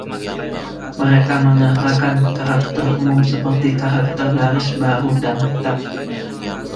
Mereka menyertakan karakter umum seperti karakter baris baru dan tab.